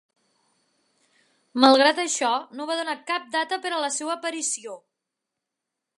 Malgrat això, no va donar cap data per a la seva aparició.